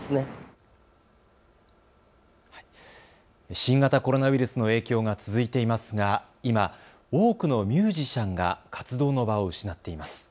新型コロナウイルスの影響が続いていますが今、多くのミュージシャンが活動の場を失っています。